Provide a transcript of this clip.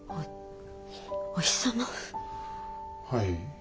はい。